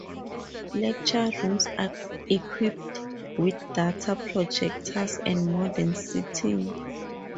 Lecture rooms are equipped with data projectors and modern seating.